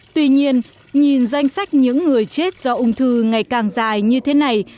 tuy nhiên nhìn danh sách những người chết do ung thư ngày càng dài như thế này